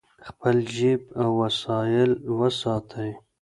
خپل جیب او وسایل وساتئ.